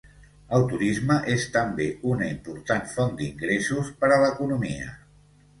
El turisme és també una importat font d'ingressos per a l'economia.